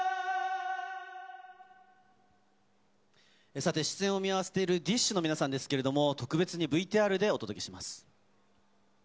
さて、出演を見合わせているＤＩＳＨ／／の皆さんですけれども、特別にＶＴＲでお届けします。